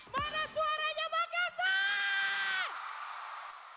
mana suaranya makassar